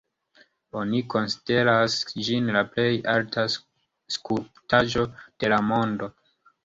Oni konsideras ĝin la plej alta skulptaĵo de la mondo.